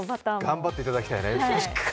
頑張っていただきたいね。